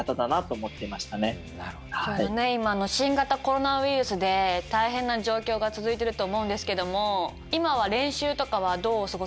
今新型コロナウイルスで大変な状況が続いてると思うんですけども今は練習とかはどう過ごされてるんでしょうか？